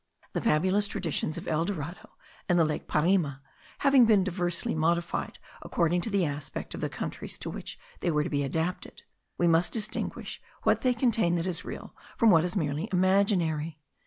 The fabulous traditions of El Dorado and the lake Parima having been diversely modified according to the aspect of the countries to which they were to be adapted, we must distinguish what they contain that is real from what is merely imaginary.